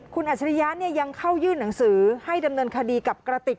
คุณอัจฉริยะยังเข้ายื่นหนังสือให้ดำเนินคดีกับกระติก